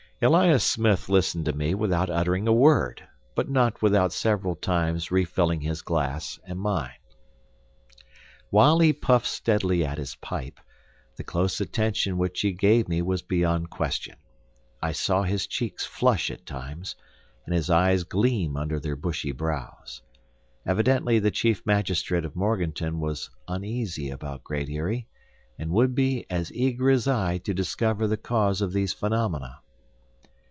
Elias Smith listened to me without uttering a word, but not without several times refilling his glass and mine. While he puffed steadily at his pipe, the close attention which he gave me was beyond question. I saw his cheeks flush at times, and his eyes gleam under their bushy brows. Evidently the chief magistrate of Morganton was uneasy about Great Eyrie, and would be as eager as I to discover the cause of these phenomena.